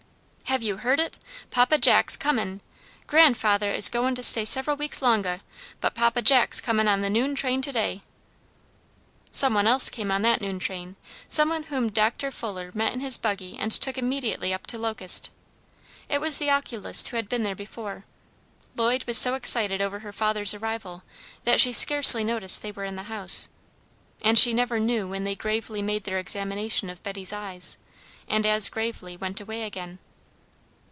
"Have you heard it? Papa Jack's comin'! Grandfathah is goin' to stay several weeks longah, but Papa Jack's comin' on the noon train to day!" Some one else came on that noon train, some one whom Doctor Fuller met in his buggy and took immediately up to Locust. It was the oculist who had been there before. Lloyd was so excited over her father's arrival that she scarcely noticed they were in the house, and she never knew when they gravely made their examination of Betty's eyes and as gravely went away again.